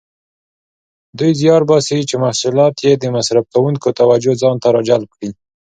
دوی زیار باسي چې محصولات یې د مصرف کوونکو توجه ځانته راجلب کړي.